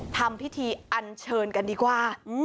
ทำพิธีอันเชิญกันดีกว่า